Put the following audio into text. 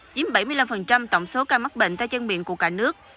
chiếm bảy mươi năm tổng số ca mắc bệnh tay chân miệng của cả nước